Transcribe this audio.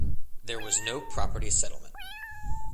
There was no property settlement.